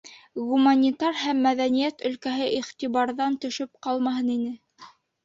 Гуманитар һәм мәҙәниәт өлкәһе иғтибарҙан төшөп ҡалмаһын ине.